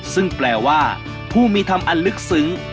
ซึ่งแปลว่าผู้มีธรรมอันลึกซึ้ง